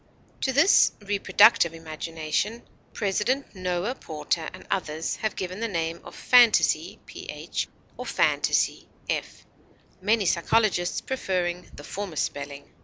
To this Reproductive Imagination President Noah Porter and others have given the name of phantasy or fantasy (many psychologists preferring the former spelling).